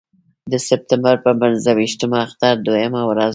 د سپټمبر پر پنځه ویشتمه اختر دویمه ورځ وه.